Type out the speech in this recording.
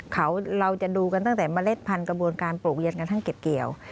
เขาเราจะดูกันตั้งแต่เมล็ดพันธกระบวนการปลูกเรียนกระทั่งเก็บเกี่ยว